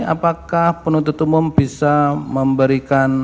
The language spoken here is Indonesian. apakah penuntut umum bisa memberikan